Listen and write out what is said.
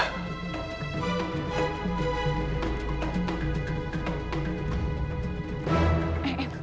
kenzo butuh aku